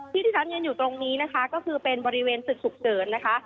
ที่ที่ฉันยืนอยู่ตรงนี้นะคะก็คือเป็นบริเวณตึกฉุกเฉินนะคะ